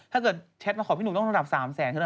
ถ้าเกิดแชทมาขอพี่หนุ่มดังระดับ๓แสนคือน่ะ